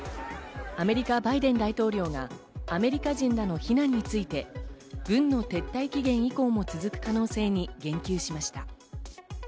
アメリカのバイデン大統領がアメリカ人らの避難について軍の撤退期限以降も続く可能性に言及しました。